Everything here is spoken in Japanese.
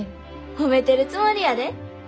褒めてるつもりやで。